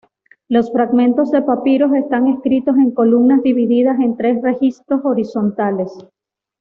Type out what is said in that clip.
Los fragmentos de papiros están escritos en columnas divididas en tres registros horizontales.